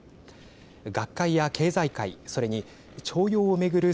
学会や経済界それに徴用を巡る